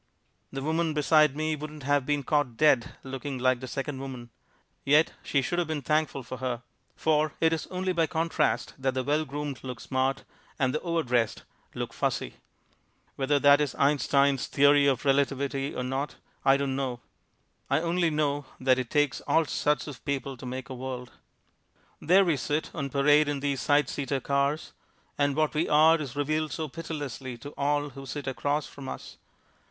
The woman beside me wouldn't have been caught dead looking like the second woman. Yet she should have been thankful for her. For it is only by contrast that the well groomed look smart, and the overdressed look fussy. Whether that is Einstein's theory of relativity or not, I don't know. I only know that, "It takes all sorts of people to make a world." There we sit on parade in these side seater cars, and what we are is revealed so pitilessly to all who sit across from us.